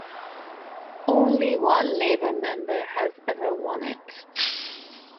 Only one Labor member has ever won it.